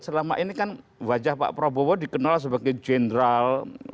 selama ini kan wajah pak prabowo dikenal sebagai jenderal